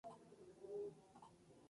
En la parte norte del patio de armas.